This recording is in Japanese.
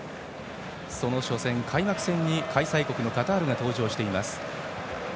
その初戦、開幕戦に開催国のカタールが登場しています。